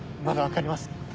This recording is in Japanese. まだ分かりません。